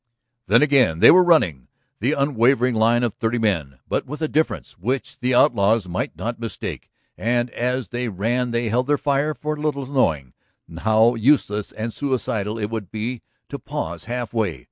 Then again they were running, the unwavering line of thirty men, but with a difference which the outlaws might not mistake. And as they ran they held their fire for a little, knowing how useless and suicidal it would be to pause half way.